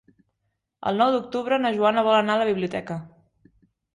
El nou d'octubre na Joana vol anar a la biblioteca.